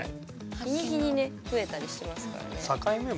日に日にね増えたりしますからね。